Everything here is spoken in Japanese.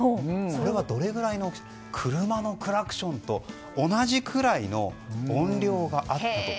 これはどれぐらいかというと車のクラクションと同じぐらいの音量があったと。